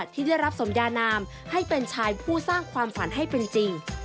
ที่ได้รับสมยานามให้เป็นชายผู้สร้างความฝันให้เป็นจริง